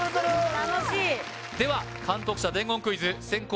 楽しいでは監督車伝言クイズ先攻